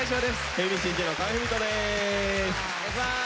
Ａ．Ｂ．Ｃ−Ｚの河合郁人です。